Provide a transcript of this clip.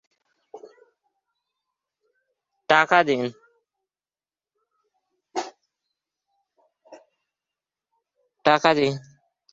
এর মধ্যে কেউ কেউ বিভিন্ন ছোটখাটো এবং গুরুতর আন্তঃসীমান্ত অপরাধে নিয়োজিত।